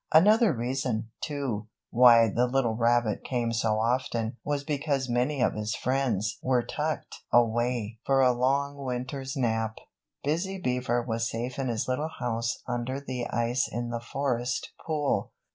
Another reason, too, why the little rabbit came so often was because many of his friends were tucked away for a long winter's nap. Busy Beaver was safe in his little house under the ice in the Forest Pool.